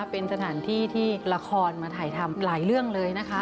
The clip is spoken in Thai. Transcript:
เป็นสถานที่ที่ละครมาถ่ายทำหลายเรื่องเลยนะคะ